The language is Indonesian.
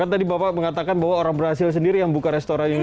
jadi tadi bapak mengatakan bahwa orang brazil sendiri yang membuka restoran ini